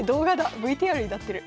ＶＴＲになってる。